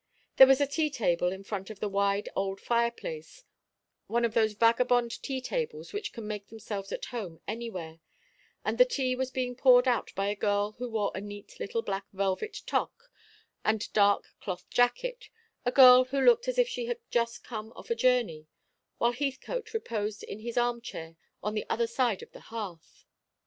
There was a tea table in front of the wide old fireplace one of those vagabond tea tables which can make themselves at home anywhere and the tea was being poured out by a girl who wore a neat little black velvet toque and dark cloth jacket, a girl who looked as if she had just come off a journey, while Heathcote reposed in his armchair on the other side of the hearth.